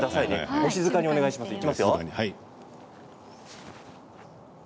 お静かにお願いしますね。